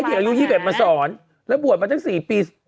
เด็กอายุ๒๑มาสอนแล้วบวชมาตั้ง๔ปี